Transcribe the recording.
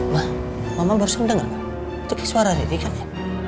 ma mama baru saja dengar suara riri kan ya